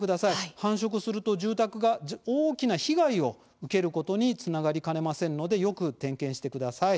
繁殖すると住宅が大きな被害を受けることにつながりかねませんのでよく点検してください。